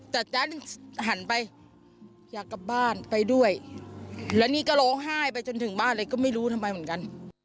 แต่จ๊ะหันไปอยากกลับบ้านไปด้วยแล้วนี่ก็ร้องไห้ไปจนถึงบ้านเลยก็ไม่รู้ทำไมเหมือนกัน